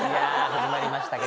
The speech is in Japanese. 始まりました。